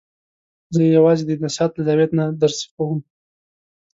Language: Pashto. زه یې یوازې د نصحت له زاویې نه درسیخوم.